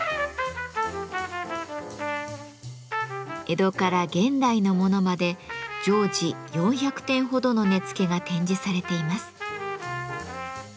江戸から現代のものまで常時４００点ほどの根付が展示されています。